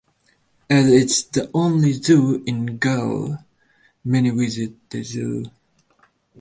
As it is the only zoo in Goa, many visit the zoo.